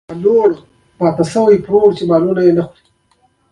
دا ډول میټرونه له لس میټرو څخه تر پنځوس میټرو پورې اوږدوالی لري.